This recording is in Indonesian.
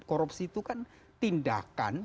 korupsi itu kan tindakan